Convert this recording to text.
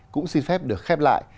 cũng xin phép được khép lại